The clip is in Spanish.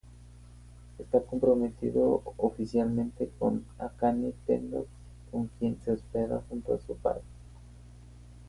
Está comprometido oficialmente con Akane Tendo, con quien se hospeda junto a su padre.